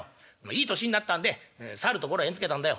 いい年になったんでさるところへ縁づけたんだよ」。